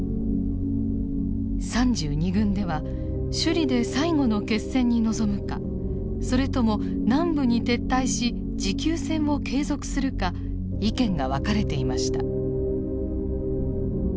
３２軍では首里で最後の決戦に臨むかそれとも南部に撤退し持久戦を継続するか意見が分かれていました。